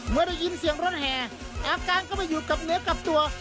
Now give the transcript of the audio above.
เมื่อได้ยินเสียงร้อนแห่แอลการเข้ามาอยู่กับเนื้อกลับตัว